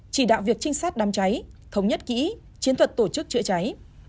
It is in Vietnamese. chỉ đạo việc trinh sát đám cháy thống nhất kỹ chiến thuật tổ chức chữa cháy